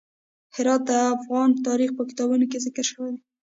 هرات د افغان تاریخ په کتابونو کې ذکر شوی دی.